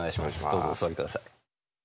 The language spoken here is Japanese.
どうぞお座りください。